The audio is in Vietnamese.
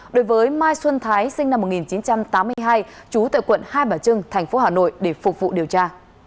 đối với mai xuân thái sinh năm một nghìn chín trăm tám mươi hai trú tại quận hai bà trưng thành phố hà nội để phục vụ điều tra